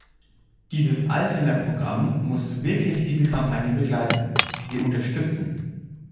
Dieses Altener-Programm muss wirklich diese Kampagne begleiten, sie unterstützen.